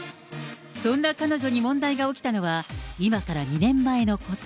そんな彼女に問題が起きたのは今から２年前のこと。